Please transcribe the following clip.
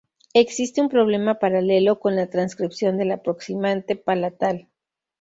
Existe un problema paralelo con la transcripción del aproximante palatal.